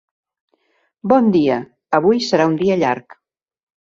Bon dia, avui serà un dia llarg.